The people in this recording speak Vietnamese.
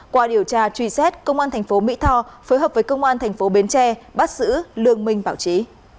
qua điều tra truy xét công an thành phố mỹ tho phối hợp với công an thành phố bến tre bắt giữ lương minh bảo trí